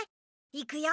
いくよ。